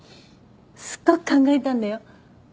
すっごく考えたんだよ。